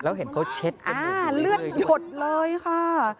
แล้วเห็นเขาเช็ดอ่าเลือดหยดเลยค่ะ